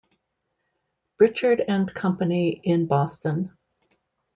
Birchard and Company in Boston.